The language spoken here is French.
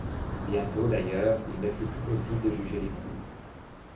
Bientôt, d'ailleurs, il ne fut plus possible de juger les coups.